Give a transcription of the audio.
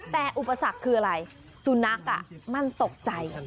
แต่อุปสรรคคืออะไรสุนัขมันตกใจ